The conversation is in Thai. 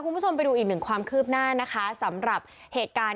มาถ่วงไปดูอีกความคืบหน้าสำหรับเหตุการณ์